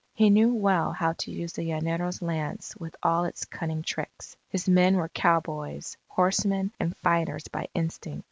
He knew well how to use the llanero's lance with all its cunning tricks. His men were cowboys, horsemen, and fighters by instinct.